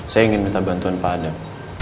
saya ingin minta bantuan pak adam